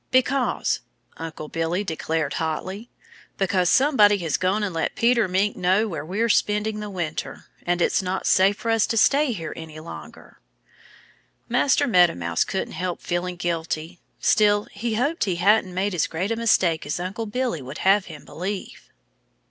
"Because " Uncle Billy declared hotly "because somebody has gone and let Peter Mink know where we're spending the winter. And it's not safe for us to stay here any longer." Master Meadow Mouse couldn't help feeling guilty. Still, he hoped he hadn't made as great a mistake as Uncle Billy would have him believe.